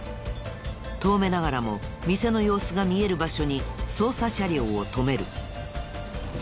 遠目ながらも店の様子が見える場所に捜査車両を止める。